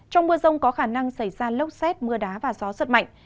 trong mưa rông có khả năng xảy ra lốc xét mưa đá và gió giật mạnh